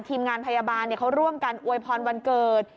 ทีมงานพยาบาลเขาร่วมกันอวยพรวันเกิด